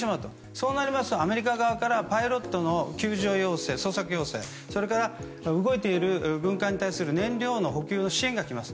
そうなりますとアメリカ側からパイロットの救助要請、捜索要請それから動いている軍艦に対する燃料の補給の支援が来ます。